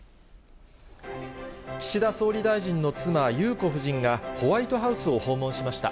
岸田総理大臣の妻、裕子夫人が、ホワイトハウスを訪問しました。